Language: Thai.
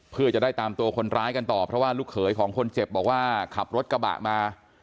เพื่อจะได้ตามตัวคนร้ายกันต่อเพราะว่าลูกเขยของคนเจ็บบอกว่าขับรถกระบะมา